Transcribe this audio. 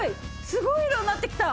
すごい色になってきた！